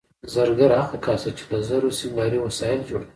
زرګر هغه کس دی چې له زرو سینګاري وسایل جوړوي